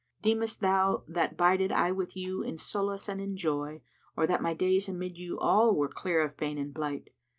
Deem'st thou that 'bided I with you in solace and in joy * Or that my days amid you all were clear of bane and blight?